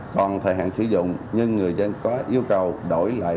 còn thời hạn sử dụng nhưng người dân có yêu cầu đổi lại